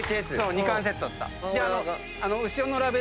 ２巻セットだった。